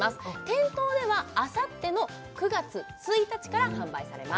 店頭ではあさっての９月１日から販売されます